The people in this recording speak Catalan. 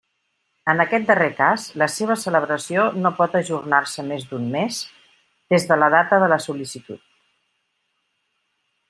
En aquest darrer cas, la seva celebració no pot ajornar-se més d'un mes des de la data de la sol·licitud.